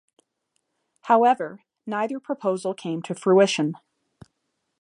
However, neither proposal came to fruition.